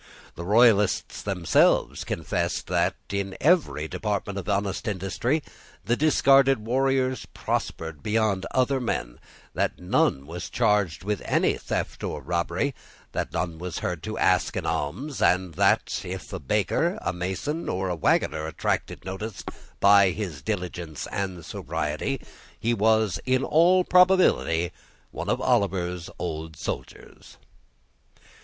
The Royalists themselves confessed that, in every department of honest industry the discarded warriors prospered beyond other men, that none was charged with any theft or robbery, that none was heard to ask an alms, and that, if a baker, a mason, or a waggoner attracted notice by his diligence and sobriety, he was in all probability one of Oliver's old soldiers.